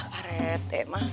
pak rete mah